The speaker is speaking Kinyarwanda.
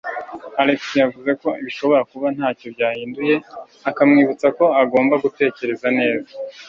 Alex yavuze ko bishobora kuba ntacyo byahinduye, akamwibutsa ko agomba gutekereza neza.